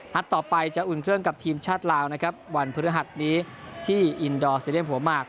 ต่อไปจะอุ่นเครื่องกับทีมชาติลาวนะครับวันพฤหัสนี้ที่อินดอร์ซีเรียมหัวมาก